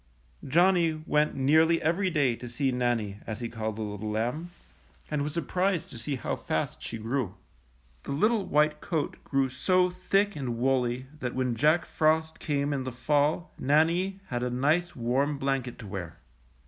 ^^ Johnny went nearly every day to see Nan nie, as he called the little lamb, and was surprised to see how fast she grew. The little white coat grew so thick and woolly that when Jack Frost came in the fall Nannie had a nice warm blanket to wear.